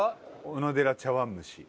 おのでら茶碗蒸し。